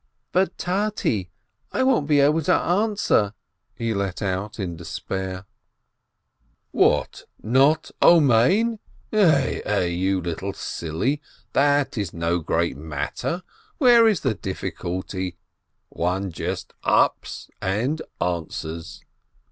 "But, Tate, I won't be able to answer," he let out in despair. COUNTRY FOLK 551 "What, not Amen? Eh, eh, you little silly, that is no great matter. Where is the difficulty? One just ups and answers!"